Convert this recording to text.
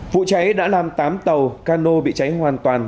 vụ cháy đã làm tám tàu cano bị cháy hoàn toàn